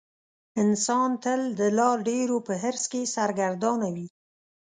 انسان تل د لا ډېرو په حرص کې سرګردانه وي.